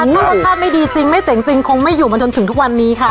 ถ้ารสชาติไม่ดีจริงไม่เจ๋งจริงคงไม่อยู่มาจนถึงทุกวันนี้ค่ะ